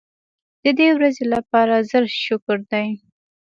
د دې ورځې لپاره زر شکر دی.